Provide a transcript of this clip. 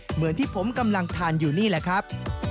เหมือนที่ผมกำลังทานอยู่นี่แหละครับ